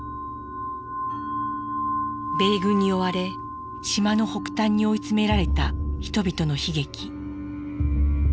米軍に追われ島の北端に追い詰められた人々の悲劇。